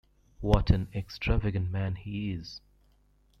What an extravagant man he is.